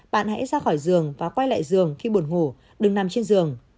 bạn hãy ra khỏi giường và quay lại giường khi buồn ngủ đừng nằm trên giường